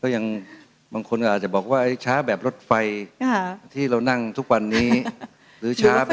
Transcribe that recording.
ก็ยังบางคนอาจจะบอกว่าช้าแบบรถไฟอ่าที่เรานั่งทุกวันนี้หรือช้าแบบ